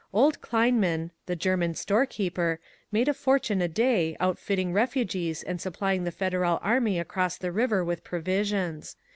Old Kleinmann, the Grerman store keeper, made a fortune a day outfitting refugees and supply ing the Federal army across the river with provisions.